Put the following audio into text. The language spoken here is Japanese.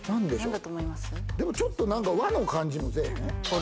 ちょっとなんか和の感じもせいへん？